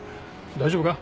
大丈夫か？